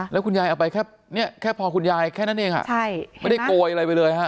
แล้วคุณยายเอาไปแค่พอคุณยายแค่นั้นเองไม่ได้โกยอะไรไปเลยฮะ